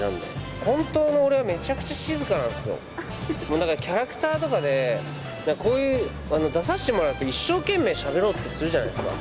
だからキャラクターとかでこういう出させてもらうと一生懸命しゃべろうとするじゃないですか。